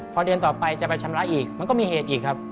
พอเดือนต่อไปจะไปชำระอีกมันก็มีเหตุอีกครับ